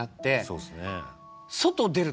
そうっすね。